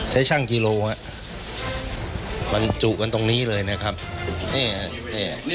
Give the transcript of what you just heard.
ใช้ชั่งกิโลอ่ะมันจุกันตรงนี้เลยนะครับเนี่ยเนี่ย